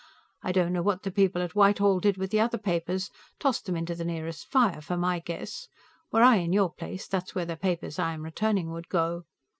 I don't know what the people at Whitehall did with the other papers; tossed them into the nearest fire, for my guess. Were I in your place, that's where the papers I am returning would go.